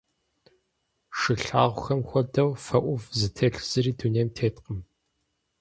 Шылъэгухэм хуэдэу фэ ӏув зытелъ зыри дунейм теткъым.